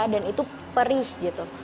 dan itu perih gitu